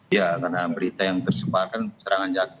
ya karena berita yang tersebar kan serangan jatuh